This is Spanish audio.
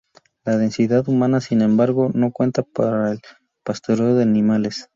La densidad humana, sin embargo, no cuenta para el pastoreo de animales.